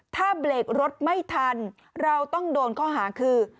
ถ้าเบรกรถไม่ทันเราต้องโดนข้อหาคือ